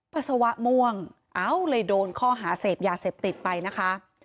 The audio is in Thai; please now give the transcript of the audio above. ปัสสาวะม่วงเอ้าเลยโดนข้อหาเสพยาเสพติดไปนะคะ